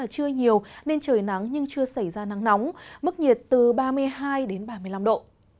trưa nhiều nên trời nắng nhưng chưa xảy ra nắng nóng mức nhiệt từ ba mươi hai đến ba mươi năm độ